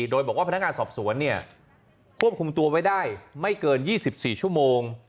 โดยบอกว่าพนักงานสอบสวนควบคุมตัวไว้ได้ไม่เกิน๒๔ชั่วโมง